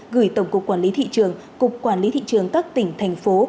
gửi tổng cục quản lý thị trường cục quản lý thị trường các tỉnh thành phố